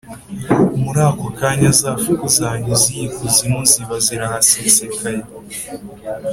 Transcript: Muri ako kanya, za fuku zanyuze iy'ikuzimu ziba zirahasesekaye,